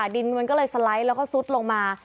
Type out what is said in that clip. ดินมันก็เลยสไลด์แล้วก็ซุดลงมา